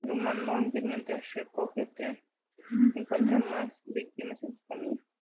El humanoide, mientras recorre el tren, encuentra más víctimas en su camino.